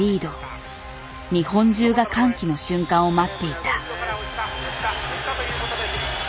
日本中が歓喜の瞬間を待っていた。